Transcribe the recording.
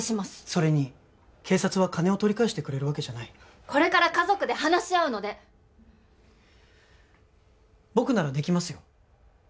それに警察は金を取り返してくれるわけじゃないこれから家族で話し合うので僕ならできますよ